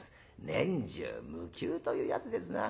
年中無休というやつですな。